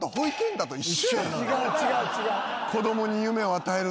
違う違う違う。